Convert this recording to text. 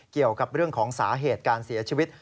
เกี่ยวกับเรื่องของสาเหตุการเสียชีวิต